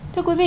thưa quý vị